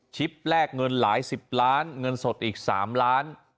แลกเงินหลายสิบล้านเงินสดอีก๓ล้าน